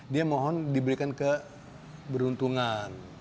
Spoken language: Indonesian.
dia mohon diberikan keberuntungan